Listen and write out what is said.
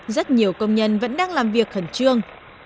rất nhiều công nhân vẫn đang làm việc khẩn trương